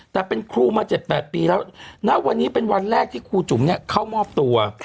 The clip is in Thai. แต่เป็นครูมา๗๘ปีแล้วณวันนี้เป็นวันแรกที่ครูจุ๋มเข้ามอบตัว